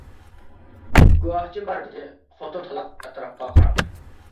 گۇۋاھچىم بار-دېدى، خوتۇن تالاق ئەتراپقا قاراپ.